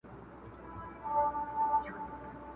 څوک چي زرګر نه وي د زرو قدر څه پیژني.!.!